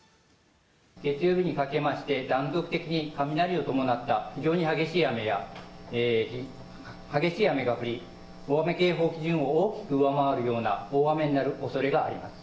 月曜日にかけまして、断続的に雷を伴った非常に激しい雨が降り、大雨警報基準を大きく上回る大雨になるおそれがあります。